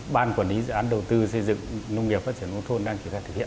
ban quản lý dự án đầu tư xây dựng nông nghiệp phát triển nông thôn đang triển khai thực hiện